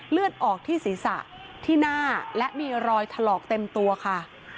เลือดออกที่ศีรษะที่หน้าและมีรอยถลอกเต็มตัวค่ะ